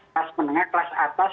kelas menengah kelas atas